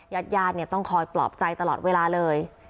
ญาติญาติต้องคอยปลอบใจตลอดเวลาเลย